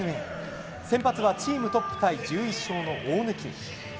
先発はチームトップタイ１１勝の大貫。